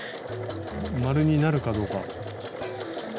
円になるかどうか。